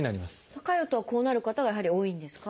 高い音はこうなる方がやはり多いんですか？